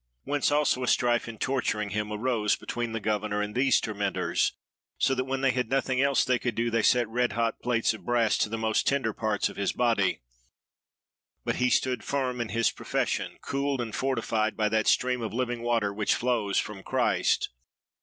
Whence also a strife in torturing him arose between the governor and those tormentors, so that when they had nothing else they could do they set red hot plates of brass to the most tender parts of his body. But he stood firm in his profession, cooled and fortified by that stream of living water which flows from Christ.